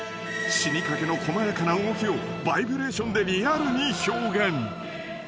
［死にかけの細やかな動きをバイブレーションでリアルに表現］